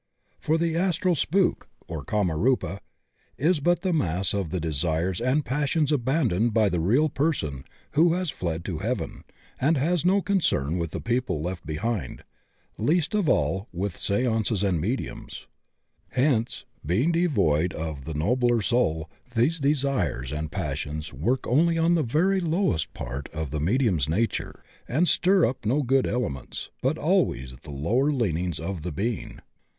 For the astral spook — or Kamarupa — is but the mass of the desires and passions abandoned by the real person who has fled to "heaven" and has no concern with the people left behind, least of all with seances and mediums. Hence, being devoid of the nobler soul, these desires and passions work onlv on the very lowest part of the medium's nature and stir 48 THE OCEAN OF THEOSOPHY up no good elements, but always the lower leanings of the being.